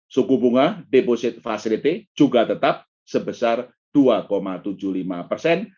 suku bunga deposit facility juga tetap sebesar dua tujuh puluh lima persen